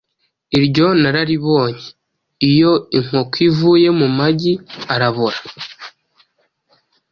iryo nararibonye iyo inkoko ivuye mu magi arabora